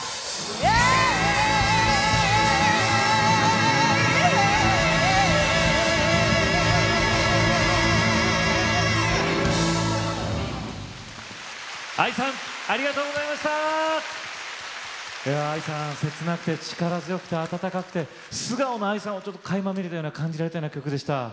いやＡＩさん切なくて力強くて温かくて素顔のＡＩさんをかいま見れたような感じられたような曲でした。